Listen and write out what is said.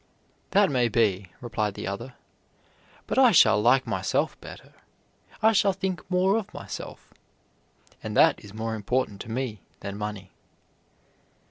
"That may be," replied the other, "but I shall like myself better, I shall think more of myself, and that is more important to me than money."